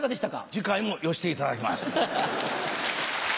次回もよしていただきます。